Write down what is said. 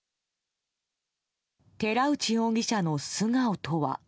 寺内容疑者の素顔とは。